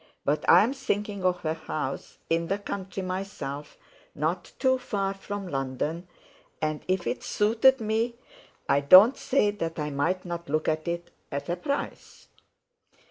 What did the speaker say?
But I'm thinking of a house in the country myself, not too far from London, and if it suited me I don't say that I mightn't look at it, at a price."